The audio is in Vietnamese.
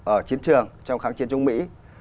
ở chiến trường trong kháng chiến chống mỹ